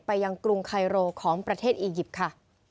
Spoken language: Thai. ยังกรุงไคโรของประเทศอียิปต์ค่ะ